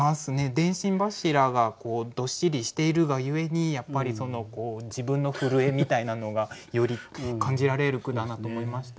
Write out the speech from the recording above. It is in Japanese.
電信柱がどっしりしているがゆえに自分の震えみたいなのがより感じられる句だなと思いました。